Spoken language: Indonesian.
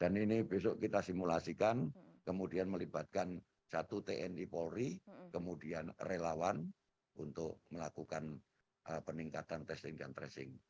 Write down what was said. dan ini besok kita simulasikan kemudian melibatkan satu tni polri kemudian relawan untuk melakukan peningkatan testing dan tracing